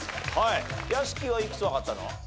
はい屋敷はいくつわかったの？